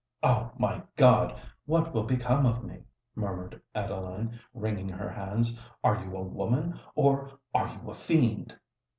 "Oh! my God—what will become of me?" murmured Adeline, wringing her hands. "Are you a woman? or are you a fiend?"